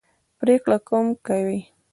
پرېکړه کوم کوي.